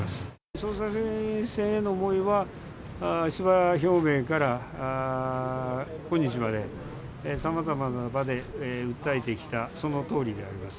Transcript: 総裁選への思いは、出馬表明から今日まで、さまざまな場で訴えてきた、そのとおりであります。